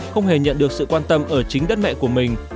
không hề nhận được sự quan tâm ở chính đất mẹ của mình